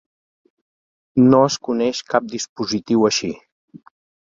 No es coneix cap dispositiu així.